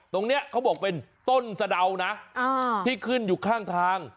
เขาบอกเป็นต้นสะเดานะที่ขึ้นอยู่ข้างทาง